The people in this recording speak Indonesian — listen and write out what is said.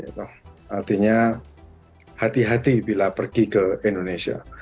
artinya hati hati bila pergi ke indonesia